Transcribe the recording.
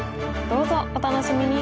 どうぞお楽しみに！